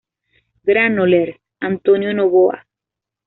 Granollers, Antonio Novoa.